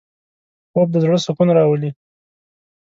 خوب د زړه سکون راولي